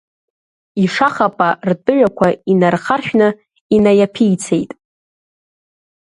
Ишаха-па ртәыҩақәа инархаршәны инаиаԥицеит.